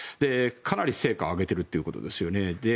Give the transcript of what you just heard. かなり成果を上げているということですよね。